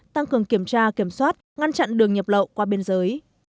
tăng cường kiểm tra kiểm soát ngăn chặn đường nhập lậu qua biên giới